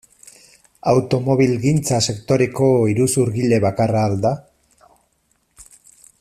Automobilgintza sektoreko iruzurgile bakarra al da?